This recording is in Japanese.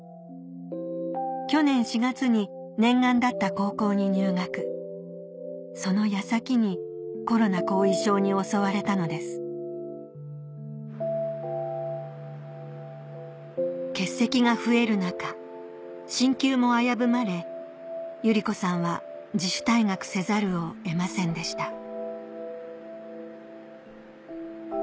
去年４月に念願だった高校に入学その矢先にコロナ後遺症に襲われたのです欠席が増える中進級も危ぶまれゆりこさんは自主退学せざるを得ませんでした